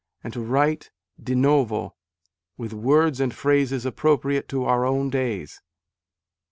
and to write de novo with words and phrases appropriate to our own days."